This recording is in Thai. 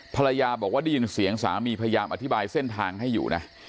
ภรรยาบอกว่าได้ยินเสียงสามีพยายามอธิบายเส้นทางให้อยู่นะ